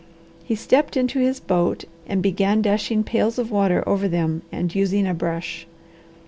He stepped into his boat and began dashing pails of water over them and using a brush.